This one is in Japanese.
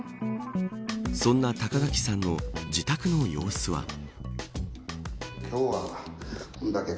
そんな高垣さんの自宅の様子は。